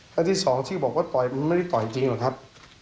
ครั้งที่สองที่บอกว่าต่อยมันไม่ได้ต่อยจริงหรอกครับ